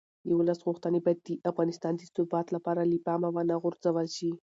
د ولس غوښتنې باید د افغانستان د ثبات لپاره له پامه ونه غورځول شي